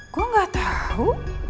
gue gak tau